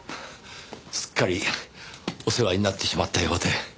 すっかりお世話になってしまったようで。